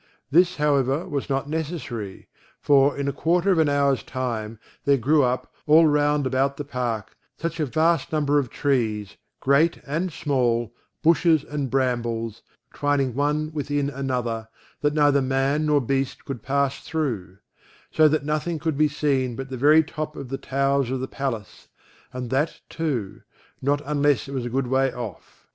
This, however, was not necessary; for, in a quarter of an hour's time, there grew up, all round about the park, such a vast number of trees, great and small, bushes and brambles, twining one within another, that neither man nor beast could pass thro'; so that nothing could be seen but the very top of the towers of the palace; and that too, not unless it was a good way off.